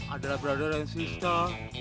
adalah brother dan sister